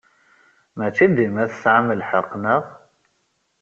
Maci dima tesɛam lḥeqq, naɣ?